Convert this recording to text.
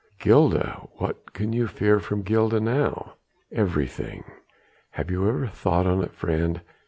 "Gilda! What can you fear from Gilda now?" "Everything. Have you never thought on it, friend?